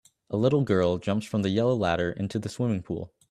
A little girl jumps from the yellow ladder into the swimming pool